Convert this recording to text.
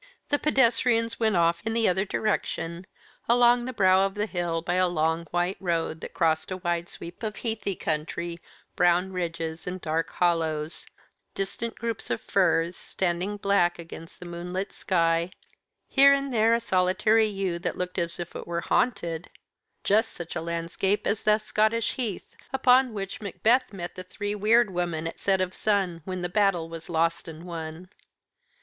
The pedestrians went off in the other direction, along the brow of the hill, by a long white road that crossed a wide sweep of heathy country, brown ridges and dark hollows, distant groups of firs standing black against the moonlit sky, here and there a solitary yew that looked as if it were haunted just such a landscape as that Scottish heath upon which Macbeth met the three weird women at set of sun, when the battle was lost and won.